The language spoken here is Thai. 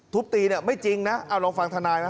ทุบตีเนี่ยไม่จริงนะเอาลองฟังธนายนะ